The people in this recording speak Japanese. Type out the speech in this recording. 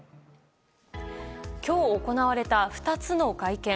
今日、行われた２つの会見。